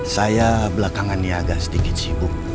saya belakangan ini agak sedikit sibuk